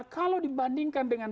kalau dibandingkan dengan